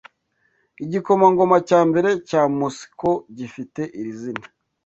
Igikomangoma cya mbere cya mosiko gifite iri zina